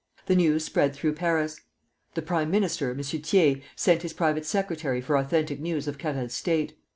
The news spread through Paris. The prime minister, M. Thiers, sent his private secretary for authentic news of Carrel's state.